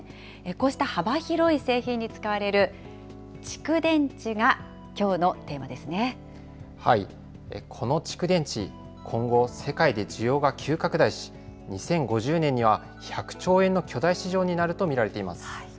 こうした幅広い製品に使われる蓄この蓄電池、今後、世界で需要が急拡大し、２０５０年には１００兆円の巨大市場になると見られています。